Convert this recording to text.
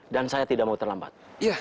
dan saya tidak mau terlambat